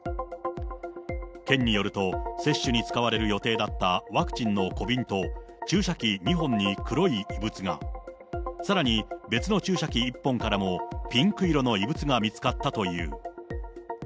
県によると、接種に使われる予定だったワクチンの小瓶と注射器２本に黒い異物が、さらに別の注射器１本からも、ピンク色の異物が見つかったという。